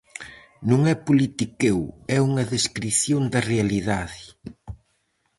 Non é politiqueo, é unha descrición da realidade.